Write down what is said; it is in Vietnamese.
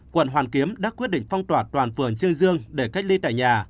quận hoàn kiếm đã quyết định phong tỏa toàn phường chê dương để cách ly tại nhà